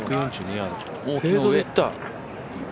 フェードいった。